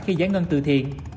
khi giải ngân từ thiện